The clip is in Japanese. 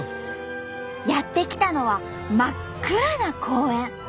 やって来たのは真っ暗な公園。